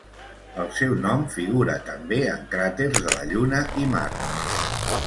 El seu nom figura també en cràters de la Lluna i Mart.